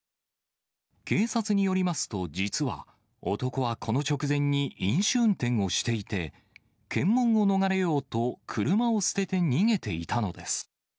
警察によりますと、実は、男はこの直前に、飲酒運転をしていて、検問を逃れようと、車を捨てて逃げていたのです。